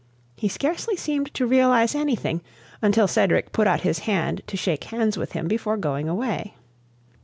He scarcely seemed to realize anything until Cedric put out his hand to shake hands with him before going away.